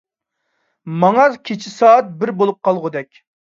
ماڭا كېچە سائەت بىر بولۇپ قالغۇدەك.